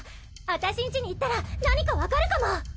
私んちに行ったら何かわかるかも。